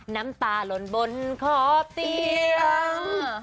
น้ำตาลนบนขอบเตียง